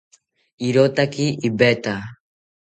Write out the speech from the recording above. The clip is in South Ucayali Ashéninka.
Irotaki iveta